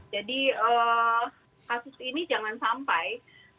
jadi kasus ini jangan sampai